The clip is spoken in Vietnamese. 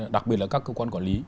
đặc biệt là các cơ quan quản lý